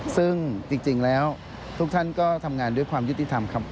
ซึ่งจริงแล้วทุกท่านก็ทำงานด้วยความยุติธรรมครับ